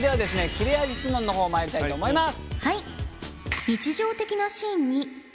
切れ味質問の方まいりたいと思います。